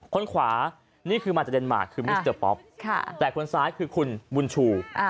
คนขวานี่คือมาจากเดนมาร์คือมิสเตอร์ป๊อปแต่คนซ้ายคือคุณบุญชู